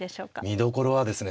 見どころはですね